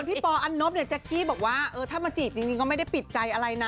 ในพี่ปอดออนไนท์เนี่ยแจ๊กกี้แบบว่าถ้ามาจีบจริงก็ไม่ได้ปิดใจอะไรนะ